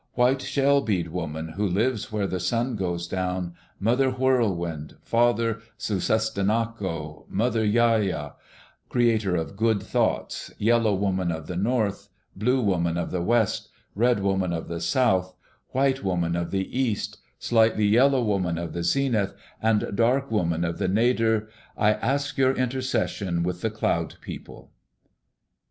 White shell bead woman who lives where the sun goes down, mother whirlwind, father Sussistinnako, mother Yaya, creator of good thoughts, yellow woman of the north, blue woman of the west, red woman of the south, white woman of the east, slightly yellow woman of the zenith, and dark woman of the nadir, I ask your intercession with the Cloud People.